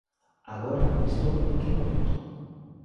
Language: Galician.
Agora estou noutro momento.